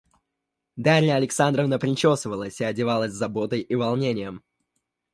Дарья Александровна причесывалась и одевалась с заботой и волнением.